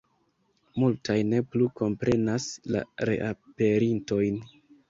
Multaj ne plu komprenas la reaperintojn.